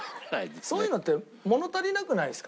そういうのって物足りなくないですか？